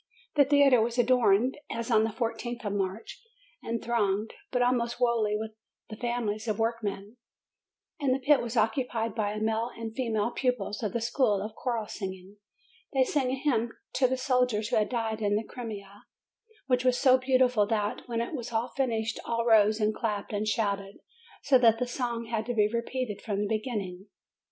The theatre was adorned as on the I4th of March, and thronged, but almost wholly with the families of workmen; and the pit was occupied by the male and female pupils of the school of choral singing. They sang a hymn to the soldiers who had died in the Crimea, which was so beautiful that, when it was finished, all rose and clapped and shouted, so that the song had to be repeated from the beginning.